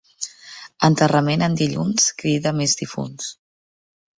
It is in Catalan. Enterrament en dilluns crida més difunts.